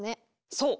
そう！